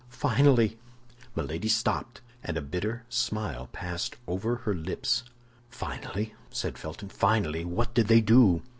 Finally—" Milady stopped, and a bitter smile passed over her lips. "Finally," said Felton, "finally, what did they do?"